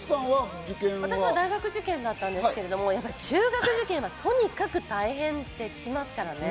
私は大学受験だったんですけど、中学受験はとにかく大変っていますからね。